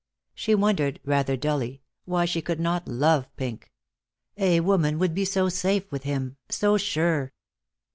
She wondered, rather dully, why she could not love Pink. A woman would be so safe with him, so sure.